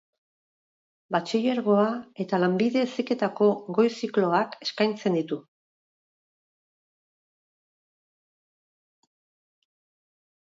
Batxilergoa eta Lanbide heziketako Goi Zikloak eskaintzen ditu.